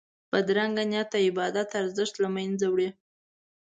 بدرنګه نیت د عبادت ارزښت له منځه وړي